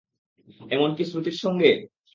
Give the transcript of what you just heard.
এমনকি শ্রুতির সঙ্গে?